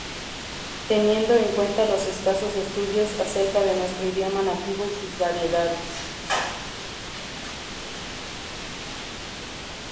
Teniendo en cuenta los escasos estudios acerca de nuestro idioma nativo y sus variedades.